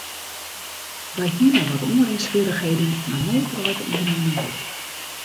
Wy hiene wat oanrinswierrichheden mar no draait de ûndernimming goed.